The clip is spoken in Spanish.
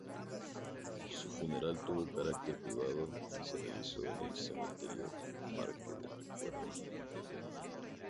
Su funeral tuvo carácter privado y se realizó en el Cementerio Parque del Recuerdo.